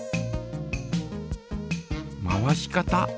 回し方。